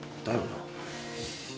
だよな。